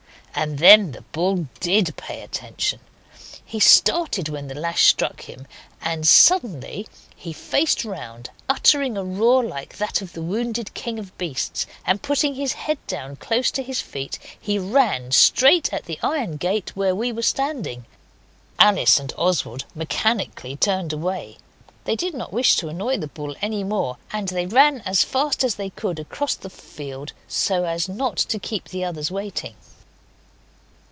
And then the bull DID pay attention. He started when the lash struck him, then suddenly he faced round, uttering a roar like that of the wounded King of Beasts, and putting his head down close to his feet he ran straight at the iron gate where we were standing. Alice and Oswald mechanically turned away; they did not wish to annoy the bull any more, and they ran as fast as they could across the field so as not to keep the others waiting.